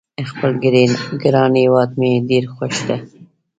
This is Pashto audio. خپل ګران هیواد مې ډېر خوښ ده